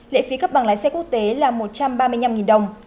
lệ phí cấp bằng lái xe quốc tế là một trăm ba mươi năm đồng